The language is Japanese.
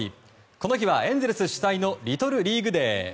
この日は、エンゼルス主催のリトルリーグ・デー。